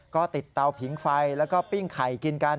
ก็ติดเตาผิงไฟแล้วก็ปิ้งไข่กินกัน